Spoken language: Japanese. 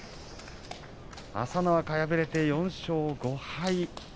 朝乃若、敗れて４勝５敗。